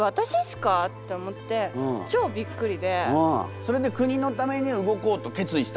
それで国のために動こうと決意した？